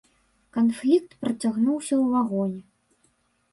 Канфлікт працягнуўся ў вагоне.